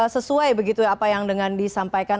sesuai begitu ya apa yang dengan disampaikan